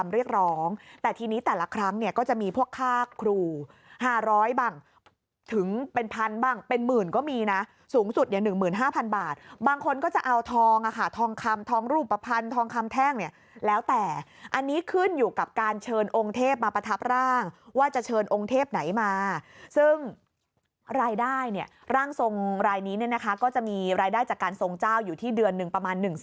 เรียกร้องแต่ทีนี้แต่ละครั้งเนี่ยก็จะมีพวกค่าครู๕๐๐บ้างถึงเป็นพันบ้างเป็นหมื่นก็มีนะสูงสุดเนี่ย๑๕๐๐บาทบางคนก็จะเอาทองอ่ะค่ะทองคำทองรูปภัณฑ์ทองคำแท่งเนี่ยแล้วแต่อันนี้ขึ้นอยู่กับการเชิญองค์เทพมาประทับร่างว่าจะเชิญองค์เทพไหนมาซึ่งรายได้เนี่ยร่างทรงรายนี้เนี่ยนะคะก็จะมีรายได้จากการทรงเจ้าอยู่ที่เดือนหนึ่งประมาณ๑๐๐